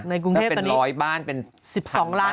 ในกรุงเทพฯตอนนี้ถ้าเป็นร้อยบ้านมันเป็นถังมาก